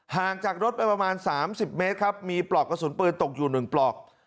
ห่างจากรถไปประมาณ๓๐เมตรครับมีปลอกกระสุนปืนตกอยู่๑ปลอก